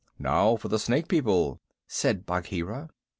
"Now for the Snake People," said Bagheera.